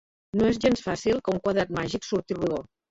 No és gens fàcil que un quadrat màgic surti rodó.